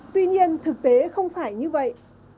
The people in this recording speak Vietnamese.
tuy nhiên thực tế không phải như vậy